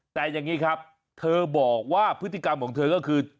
แต่อย่างนี้ครับเธอบอกว่าพฤติกรรมของเธอก็คือ